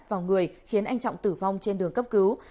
vào người khiến anh trọng tử vong trên đường cấp cứu